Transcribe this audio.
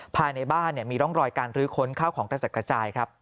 ภายในบ้านมีร่องรอยการรื้อค้นข้าวของกระจัดกระจายครับ